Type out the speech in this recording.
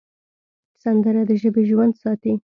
سندره د ژبې ژوند ساتي